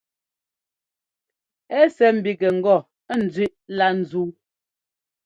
Ɛ́ sɛ́ ḿbígɛ ŋgɔ ńzẅíꞌ lá ńzúu.